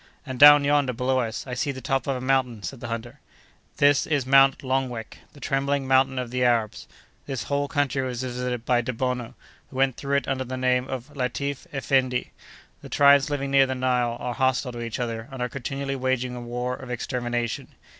"And down yonder, below us, I see the top of a mountain," said the hunter. "That is Mount Longwek, the Trembling Mountain of the Arabs. This whole country was visited by Debono, who went through it under the name of Latif Effendi. The tribes living near the Nile are hostile to each other, and are continually waging a war of extermination.